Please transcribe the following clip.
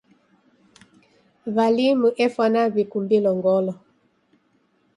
W'alimu efwana w'ikumbilo ngolo.